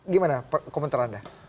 gimana komentar anda